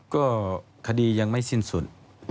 ก็คดียังไม่สิ้นสุด